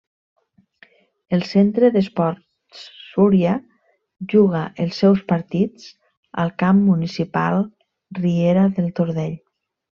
El Centre d'Esports Súria juga els seus partits al camp municipal Riera del Tordell.